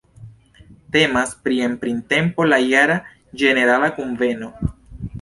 Temas pri en printempo la jara ĝenerala kunveno.